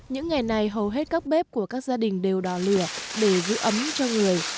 những ngày này hầu hết các bếp của các gia đình đều đỏ lửa để giữ ấm cho người